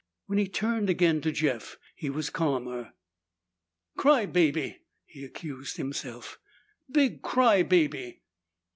When he turned again to Jeff, he was calmer. "Cry baby!" he accused himself. "Big cry baby!"